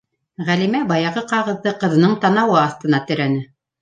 - Ғәлимә баяғы ҡағыҙҙы ҡыҙының танауы аҫтына терәне.